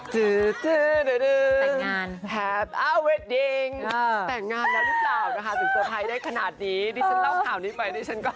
แวะอัลเวดดิ้งแต่งงานแล้วหรือเปล่ากันค่ะซึ่งสุขภัยได้ขนาดนี้ดิฉันเล่าข่าวนี่ไป